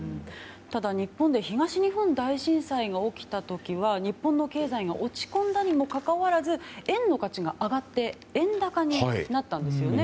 ただ日本で東日本大震災が起きた時は日本の経済が落ち込んだにもかかわらず円の価値が上がって円高になったんですよね。